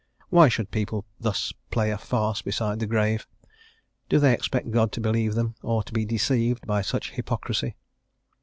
Why should people thus play a farce beside the grave? Do they expect God to believe them, or to be deceived by such hypocrisy?